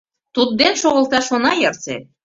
— Тудден шогылташ она ярсе.